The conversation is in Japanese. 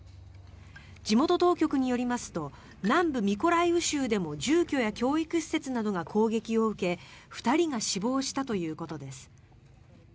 地元当局によりますと南部ミコライウ州でも住居や教育施設などが攻撃を受け２人が死亡したということです。